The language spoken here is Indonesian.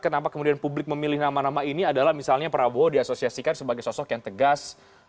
kenapa kemudian publik memilih nama nama ini adalah misalnya prabowo diasosiasikan sebagai sosok yang tegas